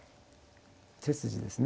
手筋ですね。